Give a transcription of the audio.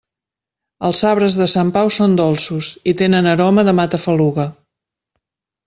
Els sabres de Sant Pau són dolços i tenen aroma de matafaluga.